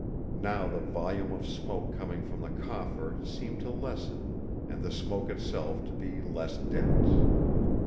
Now the volume of smoke coming from the coffer seemed to lessen, and the smoke itself to be less dense.